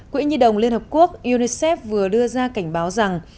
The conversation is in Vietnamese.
quỹ nhi đồng liên hợp quốc unicef vừa đưa ra cảnh báo rằng